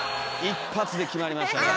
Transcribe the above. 一発で決まりましたね。